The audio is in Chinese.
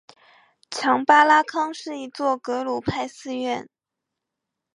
强巴拉康是一座格鲁派寺院。